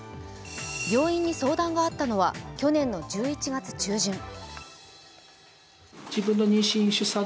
病院に相談があったのは去年の１１月中旬。